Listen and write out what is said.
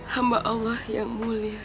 hamba allah yang mulia